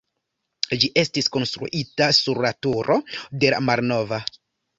Ĝi estis konstruita sur la turo de la malnova.